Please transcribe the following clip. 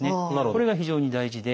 これが非常に大事で。